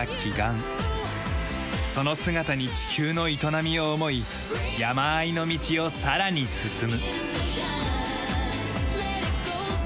その姿に地球の営みを思い山あいの道をさらに進む。